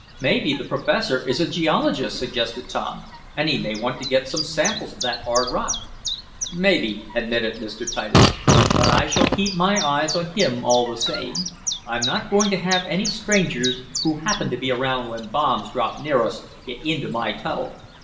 "Maybe the professor is a geologist," suggested Tom, "and he may want to get some samples of that hard rock." "Maybe," admitted Mr. Titus. "But I shall keep my eyes on him all the same. I'm not going to have any strangers, who happen to be around when bombs drop near us, get into my tunnel."